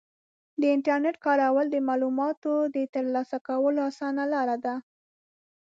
د انټرنیټ کارول د معلوماتو د ترلاسه کولو اسانه لاره ده.